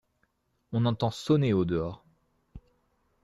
On entend sonner au-dehors.